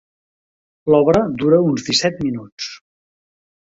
L'obra dura uns disset minuts.